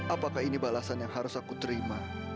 apakah ini balasan yang harus aku terima